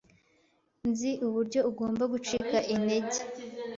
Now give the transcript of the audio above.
Nzi uburyo ugomba gucika intege.